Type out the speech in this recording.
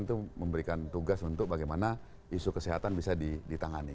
itu memberikan tugas untuk bagaimana isu kesehatan bisa ditangani